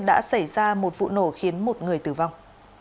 đã xảy ra một vụ nổ khiến một người tử vong